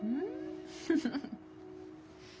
フフフ！